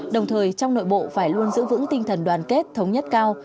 đồng thời trong nội bộ phải luôn giữ vững tinh thần đoàn kết thống nhất cao